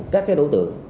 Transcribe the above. các đối tượng